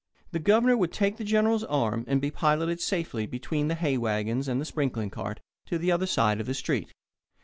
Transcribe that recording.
The Governor would take the General's arm and be piloted safely between the hay wagons and the sprinkling cart to the other side of the street.